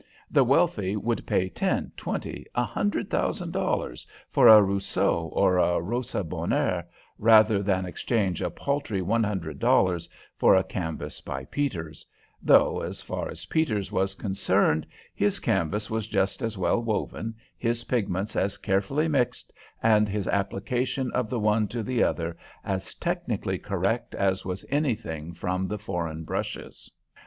The wealthy would pay ten, twenty, a hundred thousand dollars for a Rousseau or a Rosa Bonheur rather than exchange a paltry one hundred dollars for a canvas by Peters, though, as far as Peters was concerned, his canvas was just as well woven, his pigments as carefully mixed, and his application of the one to the other as technically correct as was anything from the foreign brushes.